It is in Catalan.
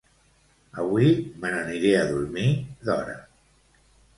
Avui me n'aniré a dormir d'hora